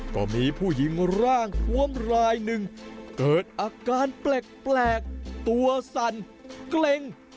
ก็มีผู้หญิงร่างทวมรายหนึ่งเกิดอาการแปลกตัวสั่นเกร็ง